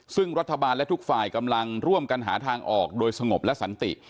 ซึ่งรัฐบาลและทุกฝ่ายกำลังร่วมกันหาทางออกโดยสงบและสันติ